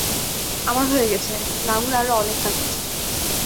আমার হয়ে গেছে, গাঙুর আরো অনেক কাজ আছে।